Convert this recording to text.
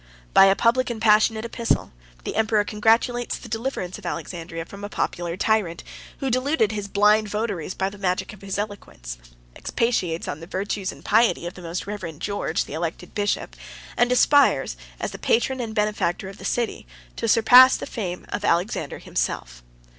By a public and passionate epistle, the emperor congratulates the deliverance of Alexandria from a popular tyrant, who deluded his blind votaries by the magic of his eloquence; expatiates on the virtues and piety of the most reverend George, the elected bishop; and aspires, as the patron and benefactor of the city to surpass the fame of Alexander himself.